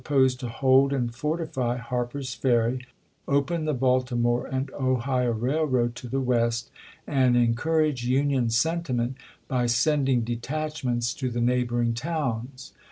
fjp^egk posed to hold and fortify Harper's Ferry, open the Baltimore and Ohio Eailroad to the West, and en courage Union sentiment by sending detachments to the neighboring towns.